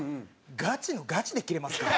ガチのガチでキレますから。